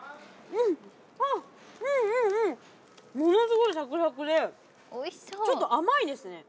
うんものすごいサクサクでちょっと甘いですね